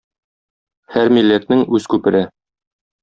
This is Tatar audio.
Һәр милләтнең үз күпере